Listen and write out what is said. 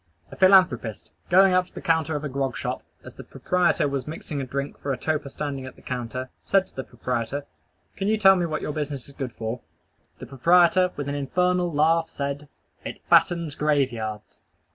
A philanthropist, going up to the counter of a grog shop, as the proprietor was mixing a drink for a toper standing at the counter, said to the proprietor, "Can you tell me what your business is good for?" The proprietor, with an infernal laugh, said, "_It fattens graveyards!